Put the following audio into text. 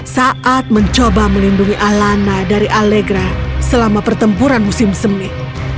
saat mencoba melindungi alana dari allegra selama pertempuran musim semi